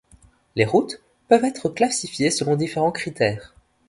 Les routes peuvent être classifiées selon différents critères.